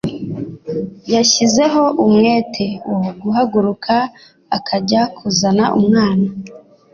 yashyizeho umwete wo guhaguruka akajya kuzana umwana